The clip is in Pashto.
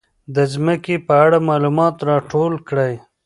د ځمکې په اړه معلومات راټول کړئ.